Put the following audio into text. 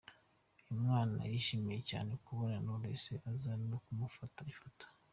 Uyu mwana yishimiye cyane kubona Knowless aza no kumufata ifoto .